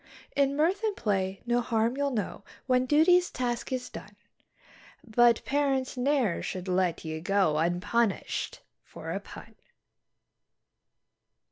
In mirth and play no harm you'll know when duty's task is done; But parents ne'er should let ye go un_pun_ished for a PUN.